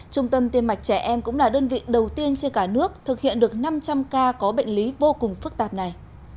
trung tâm tiêm mạch trẻ em cũng là đơn vị đầu tiên trên cả nước thực hiện được năm trăm linh ca có bệnh lý vô cùng phức tạp này